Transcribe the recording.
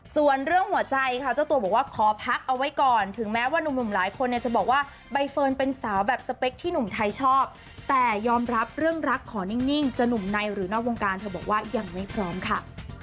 ส่วนเรื่องหัวใจค่ะเจ้าตัวบอกว่าขอพักเอาไว้ก่อนถึงแม้ว่านุ่มหลายคนเนี่ยจะบอกว่าใบเฟิร์นเป็นสาวแบบสเปคที่หนุ่มไทยชอบแต่ยอมรับเรื่องรักขอนิ่งจะหนุ่มในหรือนอกวงการเธอบอกว่ายังไม่พร้อมค่ะ